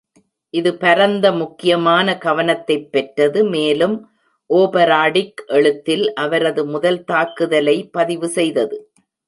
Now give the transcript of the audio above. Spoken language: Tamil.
இது, பரந்த முக்கியமான கவனத்தைப் பெற்றது, மேலும் ஓபராடிக் எழுத்தில் அவரது முதல் தாக்குதலை பதிவு செய்தது.